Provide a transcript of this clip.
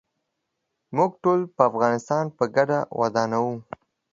موږ ټول به افغانستان په ګډه ودانوو.